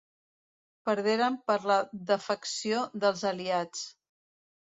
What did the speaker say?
Perderen per la defecció dels aliats.